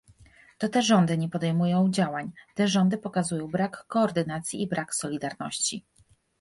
To te rządy nie podejmują działań, te rządy pokazują brak koordynacji i brak solidarności